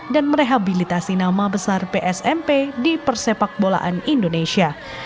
dan merehabilitasi nama besar psmp di persepak bolaan indonesia